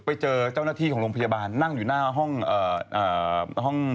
ไปเจอเจ้าหน้าที่ของโรงพยาบาลนั่งอยู่หน้าห้อง